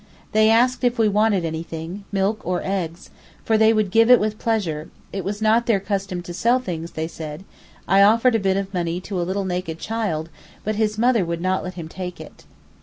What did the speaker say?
They asked if we wanted anything—milk or eggs—for they would give it with pleasure, it was not their custom to sell things, they said, I offered a bit of money to a little naked child, but his mother would not let him take it.